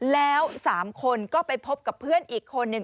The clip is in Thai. แล้ว๓คนก็ไปพบกับเพื่อนอีกคนนึง